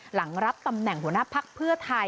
หลังรับตำแหน่งหัวหน้าภักดิ์เพื่อไทย